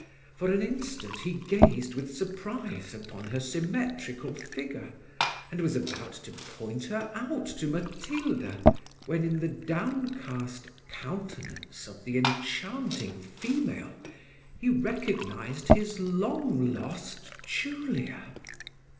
For an instant he gazed with surprise upon her symmetrical figure, and was about to point her out to Matilda, when, in the downcast countenance of the enchanting female, he recognised his long lost Julia.